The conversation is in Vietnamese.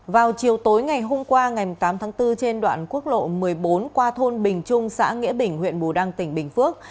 vào chiều tối ngày hôm qua ngày tám tháng bốn trên đoạn quốc lộ một mươi bốn qua thôn bình trung xã nghĩa bình huyện bù đăng tỉnh bình phước